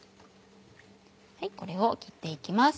これを切って行きます。